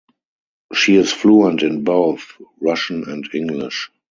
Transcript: She is fluent in both Russian and English.